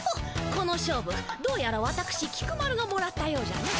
この勝負どうやらわたくし菊丸がもらったようじゃの。